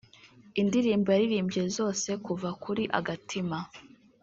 Indirimbo yaririmbye zose kuva kuri ’Agatima’